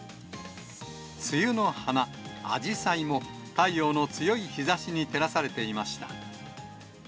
梅雨の花、アジサイも、太陽の強い日ざしに照らされていました。